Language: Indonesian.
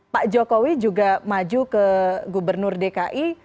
pak jokowi juga maju ke gubernur dki